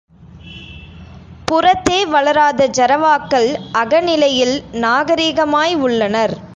புறத்தே வளராத ஜரவாக்கள் அகநிலையில் நாகரிகமாய் உள்ளனர்.